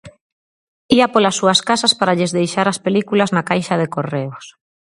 Ía polas súas casas para lles deixar as películas na caixa de correos.